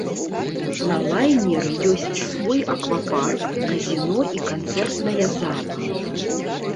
На лайнеры ёсць свой аквапарк, казіно і канцэртная зала.